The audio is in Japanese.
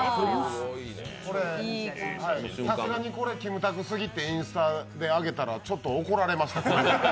さすがにこれ、キムタクすぎってインスタに上げたらちょっと怒られました。